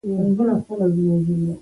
یوازې د حکومت ټانګونه ورختلای شوای.